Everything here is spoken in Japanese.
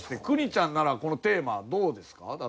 国ちゃんならこのテーマどうですか？